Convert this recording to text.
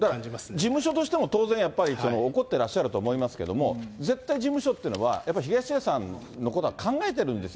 事務所としても当然やっぱり怒ってらっしゃると思いますけれども、絶対事務所っていうのは、やっぱり東出さんのことは考えてるんですよ。